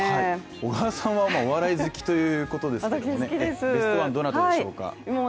小川さんはお笑い好きということでベストワンは誰でしょうか。